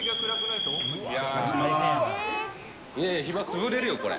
暇潰れるよ、これ。